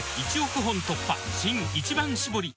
「一番搾り」